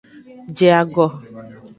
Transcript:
Je ago.